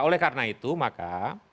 oleh karena itu maka